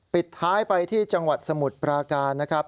ปิดท้ายไปที่จังหวัดสมุทรปราการนะครับ